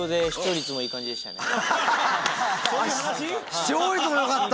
視聴率もよかった？